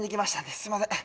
すみません。